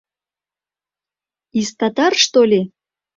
— Из татар, что ли?